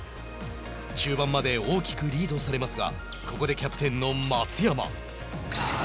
中盤まで大きくリードされますがここでキャプテンの松山。